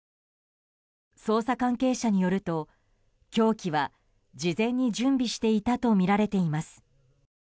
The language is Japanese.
捜査関係者によると凶器は事前に準備していたとみられています。